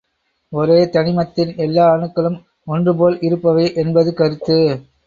ஒரே தனிமத்தின் எல்லா அணுக்களும் ஒன்றுபோல் இருப்பவை என்பது கருத்து.